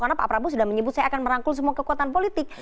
karena pak prabowo sudah menyebut saya akan merangkul semua kekuatan politik